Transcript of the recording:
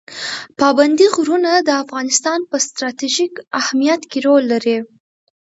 پابندی غرونه د افغانستان په ستراتیژیک اهمیت کې رول لري.